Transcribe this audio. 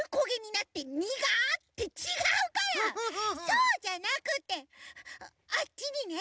そうじゃなくてあっちにね